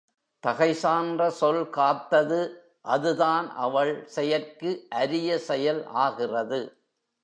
தகைசான்ற சொல் காத்தது அதுதான் அவள் செயற்கு அரிய செயல் ஆகிறது.